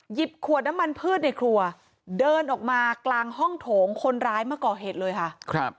ขวดน้ำมันพืชในครัวเดินออกมากลางห้องโถงคนร้ายมาก่อเหตุเลยค่ะครับ